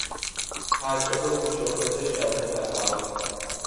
Хьакӏэхэр гущыӏэхэзэ щагум дэхьагъэх.